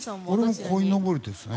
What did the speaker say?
俺もこいのぼりですね。